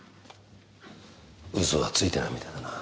嘘はついてないみたいだな。